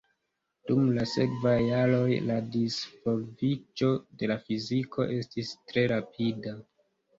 Dum la sekvaj jaroj la disvolviĝo de la fiziko estis tre rapida.